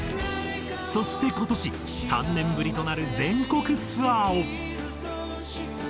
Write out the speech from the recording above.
そして今年３年ぶりとなる全国ツアーを。